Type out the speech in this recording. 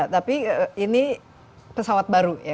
tapi ini pesawat baru ya